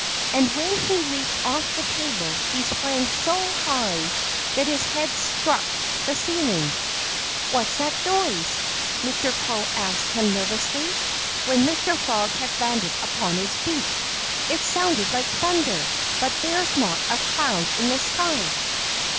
And when he leaped off the table he sprang so high that his head struck the ceiling. "What's that noise?" Mr. Crow asked him nervously, when Mr. Frog had landed upon his feet. "It sounded like thunder; but there's not a cloud in the sky."